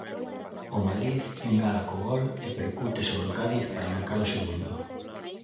O Madrid engala co gol e percute sobre o Cádiz para marcar o segundo.